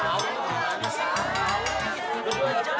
aduh tarzan dimana